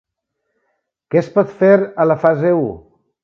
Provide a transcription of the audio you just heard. Què es pot fer a la fase u?